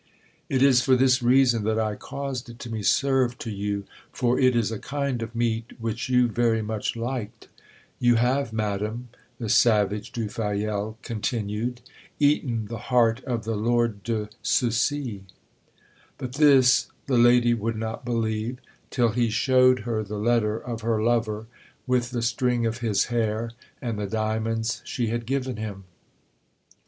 "It is for this reason that I caused it to be served to you, for it is a kind of meat which you very much liked. You have, Madame," the savage Du Fayel continued, "eaten the heart of the Lord de Coucy." But this the lady would not believe, till he showed her the letter of her lover, with the string of his hair, and the diamonds she had given him.